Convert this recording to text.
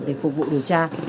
để phục vụ điều tra